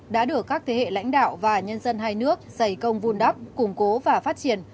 đã được các thế hệ lãnh đạo và nhân dân hai nước dày công vun đắp củng cố và phát triển